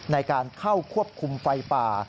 ในการเข้าควบคุมไฟป่า